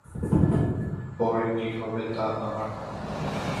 পরে কী হবে তা আমার জানা।